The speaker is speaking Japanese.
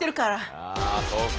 あそうか。